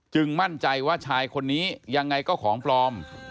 มั่นใจว่าชายคนนี้ยังไงก็ของปลอม